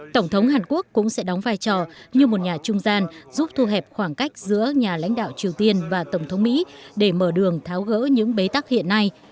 tổng thống hàn quốc cũng sẽ đóng vai trò như một nhà trung gian giúp thu hẹp khoảng cách giữa nhà lãnh đạo triều tiên và tổng thống mỹ để mở đường tháo gỡ những bế tắc hiện nay